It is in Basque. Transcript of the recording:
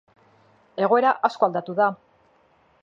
Egoera asko aldatu da.